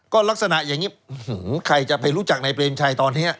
ก็ลักษณะอย่างนี้ใครจะไปรู้จักนายเปรมชัยตอนนี้